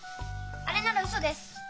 あれならウソです。